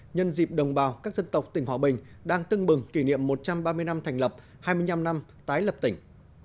nhân dịp đồng bào các dân tộc tỉnh hòa bình đang tưng bừng kỷ niệm một trăm ba mươi năm thành lập hai mươi năm năm tái lập tỉnh